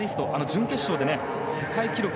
準決勝で世界記録